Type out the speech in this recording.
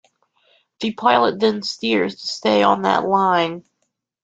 The pilot then steers to stay on that line.